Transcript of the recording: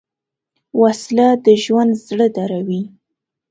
وسله د ژوند زړه دروي